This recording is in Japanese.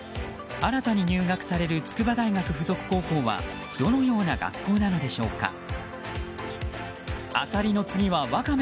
新たに入学される筑波大学附属高校はどのような学校なのでしょうか。